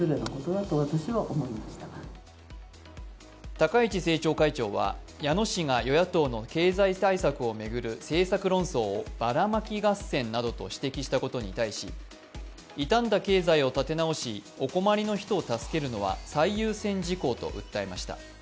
高市政調会長は矢野氏が与野党の経済対策を巡る政策論争をばらまき合戦などと指摘したことに対し傷んだ経済を立て直し、お困りの人を助けるのは最優先事項と訴えました。